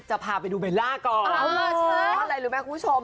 จะพาไปดูเบลล่าก่อนเพราะอะไรรู้ไหมคุณผู้ชม